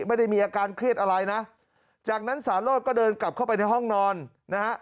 ไม่ได้มีอาการเครียดอะไรนะจากนั้นสาโรธก็เดินกลับเข้าไปในห้องนอนนะฮะ